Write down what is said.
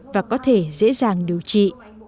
và có thể dễ dàng điều trị